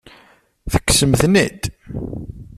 Tekksem-ten-id?